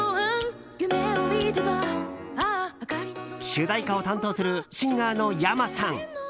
主題歌を担当するシンガーのｙａｍａさん。